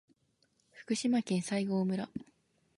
福島県西郷村